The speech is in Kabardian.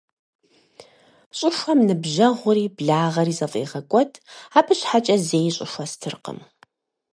Щӏыхуэм ныбжьэгъури благъэри зэфӏегъэкӏуэд, абы щхьэкӏэ зэи щӏыхуэ стыркъым.